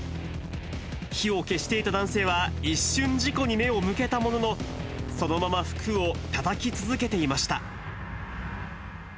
火を消していた男性は一瞬、事故に目を向けたものの、そのまま服をたたき続けていました。